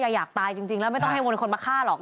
อยากตายจริงแล้วไม่ต้องให้วนคนมาฆ่าหรอก